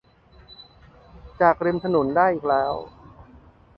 จากริมถนนได้อีกแล้ว